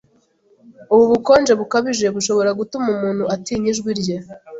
Ubu bukonje bukabije bushobora gutuma umuntu atinya ijwi rye.